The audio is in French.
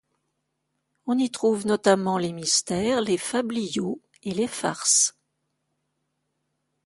On y trouve notamment les mystères, les fabliaux et les farces.